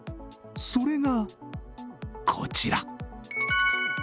それがこちら。